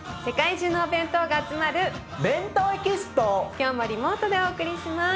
今日もリモートでお送りします。